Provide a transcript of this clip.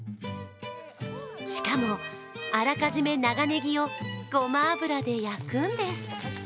しかも、あらかじめ長ねぎをごま油で焼くんです。